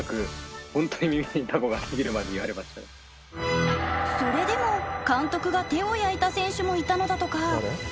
それでも監督が手を焼いた選手もいたのだとか。